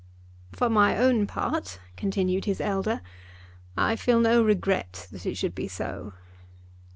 "For my own part," continued his elder, "I feel no regret that it should be so."